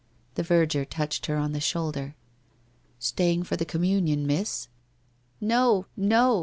The verger touched her on the shoulder. ' Staying for the Communion, Miss ?'* No, no